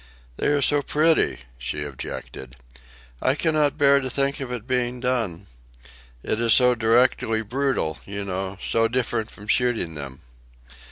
"They are so pretty," she objected. "I cannot bear to think of it being done. It is so directly brutal, you know; so different from shooting them."